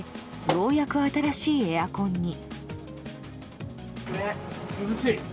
ようやく新しいエアコンに。